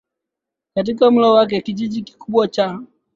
katika mlo wake Kijiji kikubwa na cha